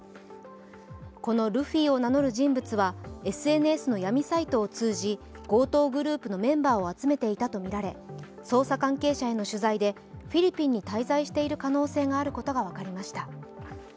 このルフィを名乗る人物はＳＮＳの闇サイトを通じ強盗グループのメンバーを集めていたとみられ捜査関係者への取材でフィリピンに滞在している可能性があることが分かりました。